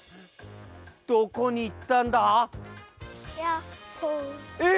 どこにいったんだ？え！